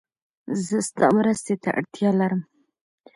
زه ستا مرستې ته اړتیا لرم